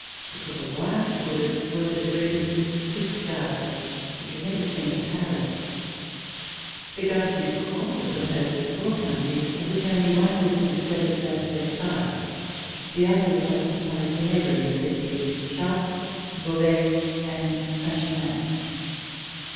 At Courbevoie there was quartered the regiment of Swiss Guards, which was never seen at Paris. The Gardes du Corps were com posed of four companies, of which only one was in service at Versailles. The others occupied the neigh boring cities: Chartres, Beauvais and Saint Germain.